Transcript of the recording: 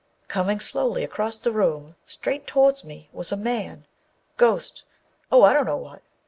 Coming slowly across the room, straight towards me, was a man â ghost â oh, I don't know what!